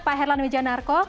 pak herlan wijanarko